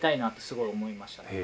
すごい思いました。